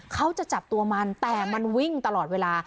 เขาจะจับตัวมันแต่มันวิ่งตลอดเวลา